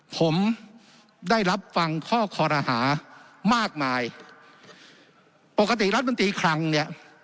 ผมได้รับฟังข้อคอรหามากมายปกติรัฐมนตรีคลังเนี่ย